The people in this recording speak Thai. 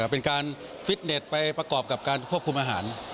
เป็นการฟิตเน็ตไปประกอบกับการควบคุมอาหาร